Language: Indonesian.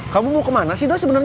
kamu mau kemana sih sebenernya